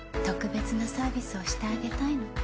特別なサービスをしてあげたいの。